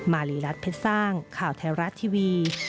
มารีรัฐเพชรสร้างข่าวไทยรัฐทีวี